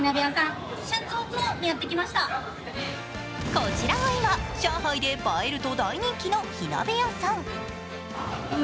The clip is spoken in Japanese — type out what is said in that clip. こちらは今、上海で映えると大人気の火鍋屋さん。